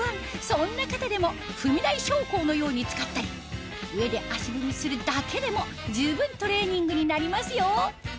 そんな方でも踏み台昇降のように使ったり上で足踏みするだけでも十分トレーニングになりますよ